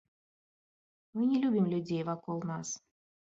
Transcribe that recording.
Мы не любім людзей вакол нас.